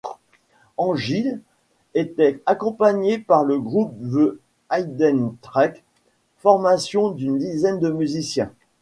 Angil était accompagné par le groupe The Hiddentracks, formation d'une dizaine de musiciens.